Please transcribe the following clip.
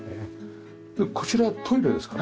こちらトイレですか？